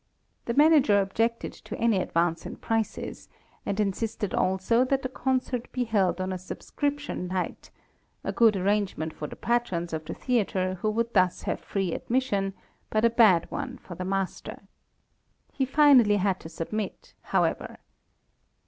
The manager objected to any advance in prices, and insisted also that the concert be held on a subscription night a good arrangement for the patrons of the theatre who would thus have free admission, but a bad one for the master. He finally had to submit, however.